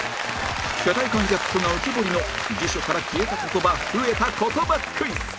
世代間ギャップが浮き彫りの辞書から消えた言葉増えた言葉クイズ